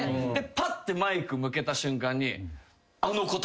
ぱってマイク向けた瞬間に。